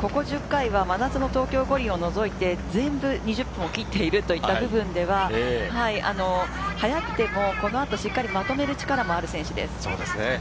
ここ１０回は真夏の東京五輪を除いては、全部２０分を切っているという部分では速くてもこの後、しっかりまとめる力もある選手です。